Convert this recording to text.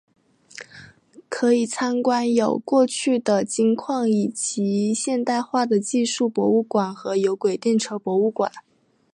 可以参观的有过去的金矿以及现代化的技术博物馆和有轨电车博物馆。